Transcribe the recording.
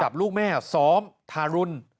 จับลูกแม่อาทิตย์ซ้อมทารุณ